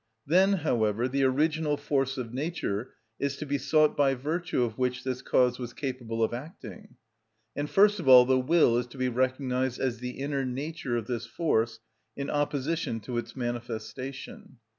Then, however, the original force of nature is to be sought by virtue of which this cause was capable of acting. And first of all the will is to be recognised as the inner nature of this force in opposition to its manifestation.